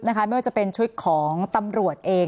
ไม่ว่าจะเป็นชุดของตำรวจเอง